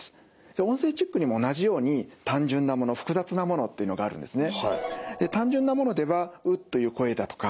音声チックにも同じように単純なもの複雑なものというのがあるんですね。